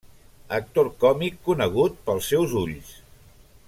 Actor còmic conegut pels seus ulls.